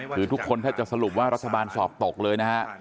คือทุกคนแทบจะสรุปว่ารัฐบาลสอบตกเลยนะฮะ